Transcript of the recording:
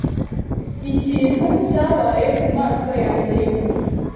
Ikintu cyabaye kumaso yanjye yiburyo.